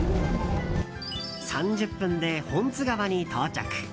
３０分で本津川に到着。